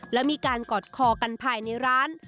และมีการกอดคอกันภายในร้าน